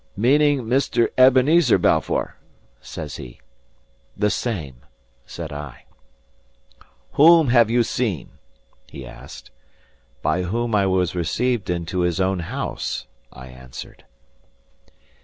"Meaning Mr. Ebenezer Balfour?" says he. "The same," said I. "Whom you have seen?" he asked. "By whom I was received into his own house," I answered.